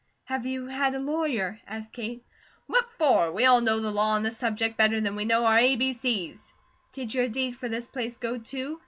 "Have you had a lawyer?" asked Kate. "What for? We all know the law on this subject better than we know our a, b, c's." "Did your deed for this place go, too?"